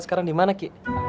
sekarang dimana ki